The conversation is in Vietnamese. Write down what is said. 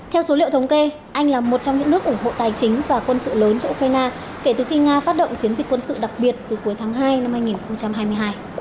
theo số liệu thống kê anh là một trong những nước ủng hộ tài chính và quân sự lớn cho ukraine kể từ khi nga phát động chiến dịch quân sự đặc biệt từ cuối tháng hai năm hai nghìn hai mươi hai